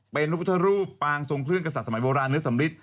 เป็นพระพุทธรูปปางทรงเครื่องกษัตริย์สมัยโบราณเนื้อสำริท